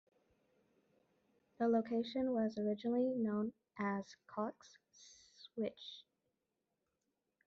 The location was originally known as Cox's Switch.